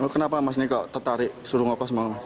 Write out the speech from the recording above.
kenapa mas ini kok tertarik suruh ngoplos semalam